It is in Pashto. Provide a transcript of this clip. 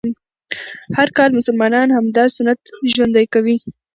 هر کال مسلمانان همدا سنت ژوندی کوي